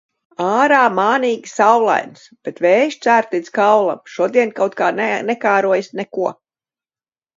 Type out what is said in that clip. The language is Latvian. Ārā mānīgi saulains, bet vējš cērt līdz kaulam. Šodien kaut kā nekārojas neko.